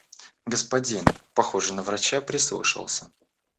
Господин, похожий на врача, прислушался.